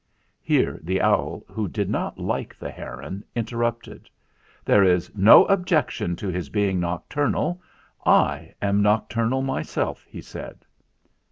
Here the owl, who did not like the heron, in terrupted. "There is no objection to his being noc turnal; I am nocturnal myself," he said.